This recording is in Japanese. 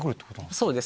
そうです。